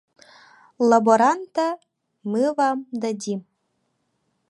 Лаборанта мы вам дадим.